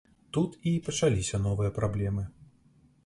Тут і пачаліся новыя праблемы.